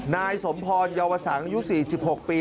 นายสมพรเยาวสังอายุ๔๖ปี